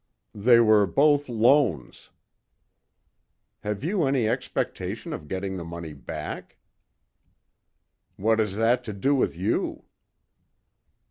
"They were both loans." "Have you any expectation of getting the money back?" "What has that to do with you?"